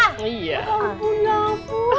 ya ampun ya ampun